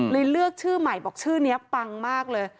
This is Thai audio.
เลือกชื่อใหม่บอกชื่อนี้ปังมากเลย